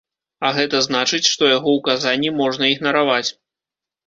А гэта значыць, што яго ўказанні можна ігнараваць.